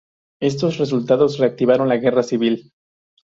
Estos resultados reactivaron la guerra civil.